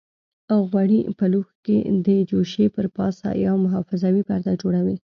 غوړي په لوښي کې د جوشې پر پاسه یو محافظوي پرده جوړوي.